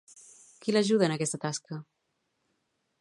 Qui l'ajuda en aquesta tasca?